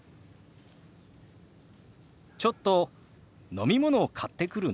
「ちょっと飲み物買ってくるね」。